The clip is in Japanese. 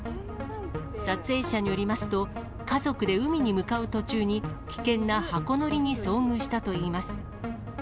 撮影者によりますと、家族で海に向かう途中に、危険な箱乗りに遭遇したといいます。